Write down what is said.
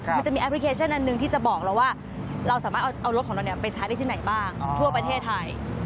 มันจะมีแอปพลิเคชันอันหนึ่งที่จะบอกเราว่าเราสามารถเอารถของเราไปใช้ได้ที่ไหนบ้างทั่วประเทศไทย